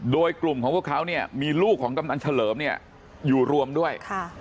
โดยกลุ่มของพวกเขาเนี่ยมีลูกของกำนันเฉลิมเนี่ยอยู่รวมด้วย